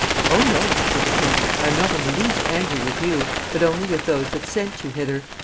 "Oh no," said the prince, "I am not in the least angry with you, but only with those that sent you hither.